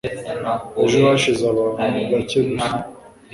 Ejo hashize abantu bake gusa.